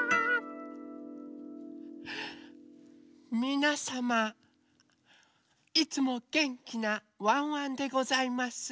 みなさまいつもげんきなワンワンでございます。